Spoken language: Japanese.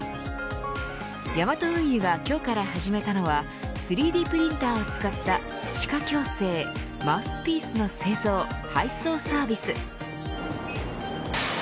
ヤマト運輸が今日から始めたのは３Ｄプリンターを使った歯科矯正マウスピースの製造配送サービス。